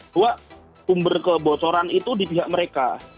dua sumber kebocoran itu di pihak mereka